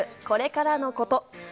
『これからのこと』。